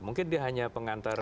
mungkin dia hanya pengantar